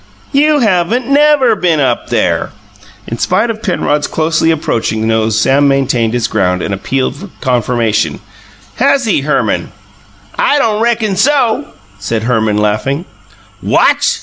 "You haven't NEVER been up there!" In spite of Penrod's closely approaching nose Sam maintained his ground, and appealed for confirmation. "Has he, Herman?" "I don' reckon so," said Herman, laughing. "WHAT!"